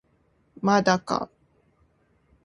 まだか